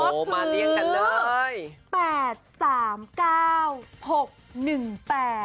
โอ้โหมาเรียกกันเลย